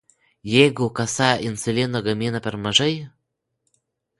Jeigu kasa insulino gamina per mažai